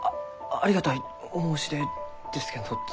ありがたいお申し出ですけんどその。